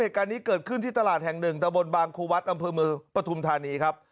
เหตุการณ์นี้เกิดขึ้นที่ตลาดแห่งหนึ่งตะบนบางครูวัดอำเภอเมืองปฐุมธานีครับ